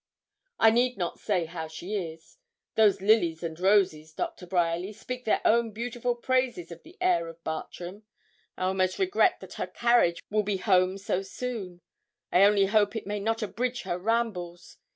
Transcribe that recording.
'I need not say how she is. Those lilies and roses, Doctor Bryerly, speak their own beautiful praises of the air of Bartram. I almost regret that her carriage will be home so soon. I only hope it may not abridge her rambles.